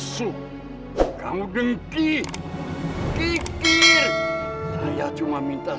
jauhkanlah dia dari bahaya ya allah